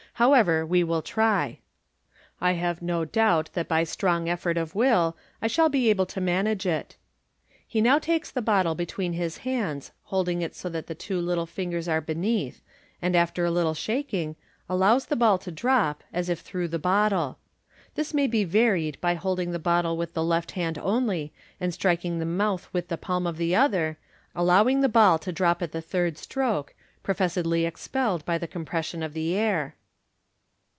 H >wever, we will try. J 43° MODERN MAGIC. have no doubt that by a strong effort of will I shall be able to manage it." He now takes the bottle between his hands, holding it so that the two little ringers are beneath, and after a little shaking, allows the ball to drop, as if through the botile. This may be varied by holding the bottle with the left hand only, and striking the mouth with the palm of the other, allowing the ball to drop at the thirJ stroke, pro fessedly expelled by the compression of the air.